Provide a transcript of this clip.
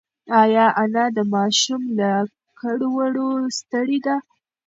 ایا انا د ماشوم له کړو وړو ستړې ده؟